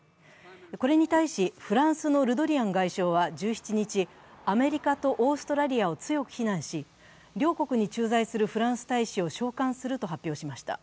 これに対し、フランスのルドリアン外相は１７日、アメリカとオーストラリアを強く非難し、両国に駐在するフランス大使を召還すると発表しました。